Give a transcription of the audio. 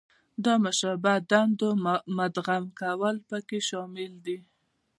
د مشابه دندو مدغم کول پکې شامل دي.